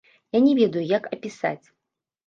Я не ведаю, як апісаць.